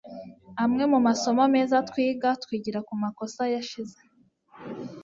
amwe mu masomo meza twiga twigira ku makosa yashize